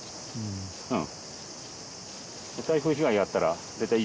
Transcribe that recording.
うん